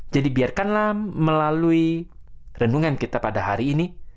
jadi biarkanlah melalui rendungan kita pada hari ini